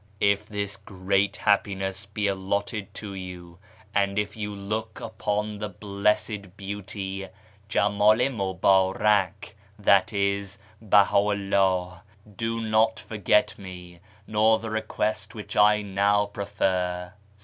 If this great happiness be allotted to you, and if you look upon the Blessed Beauty {Jemdl i Mubdrak, i.e. Beha 'u 'llah), do not forget me, nor the request which I now prefer.